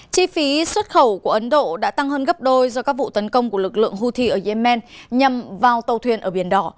chi phí xuất khẩu của ấn độ đã tăng hơn gấp đôi do các vụ tấn công của lực lượng houthi ở yemen nhằm vào tàu thuyền ở biển đỏ